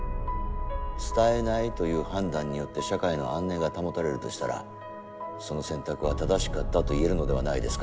「伝えない」という判断によって社会の安寧が保たれるとしたらその選択は正しかったと言えるのではないですか？